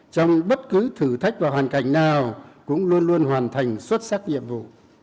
trong bất cứ thử thách và hoàn cảnh nào cũng luôn luôn hoàn thành xuất sắc nhiệm vụ